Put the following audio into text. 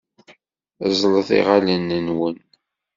Ẓẓlet iɣallen-nwen.